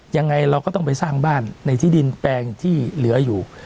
ยังไงเราก็ต้องไปสร้างบ้านในที่ดินแปลงที่เหลืออยู่